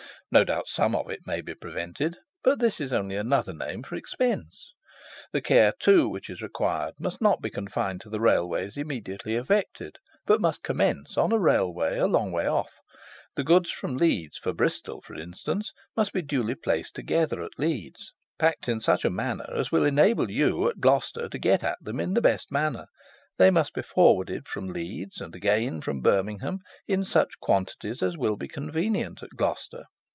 No doubt some of it may be prevented, but this is only another name for expense. The care, too, which is required must not be confined to the Railways immediately affected, but must commence on a Railway a long way off. The goods from Leeds for Bristol, for instance, must be duly placed together at Leeds, packed in such a manner as will enable you at Gloucester to get at them in the best manner. They must be forwarded from Leeds, and again from Birmingham, in such quantities as will be convenient at Gloucester.